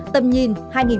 tầm nhìn hai nghìn ba mươi